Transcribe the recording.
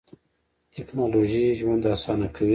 تکنالوژي ژوند آسانه کوي.